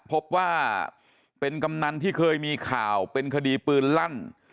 พบว่าเป็นกำนันที่เคยมีข่าวเป็นคดีปืนลั่น